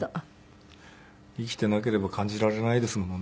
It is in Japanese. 生きていなければ感じられないですものね。